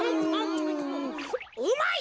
うまい！